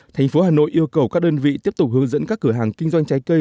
thành phố hà nội yêu cầu các đơn vị tiếp tục hướng dẫn các cửa hàng kinh doanh trái cây